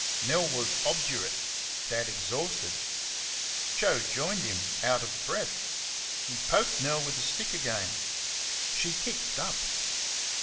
Nell was obdurate, Dad exhausted. Joe joined them, out of breath. He poked Nell with the stick again. She "kicked up."